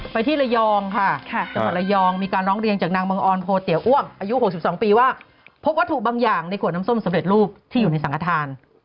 ที่ระยองค่ะจังหวัดระยองมีการร้องเรียนจากนางบังออนโพเตี๋อ้วมอายุ๖๒ปีว่าพบวัตถุบางอย่างในขวดน้ำส้มสำเร็จรูปที่อยู่ในสังขทาน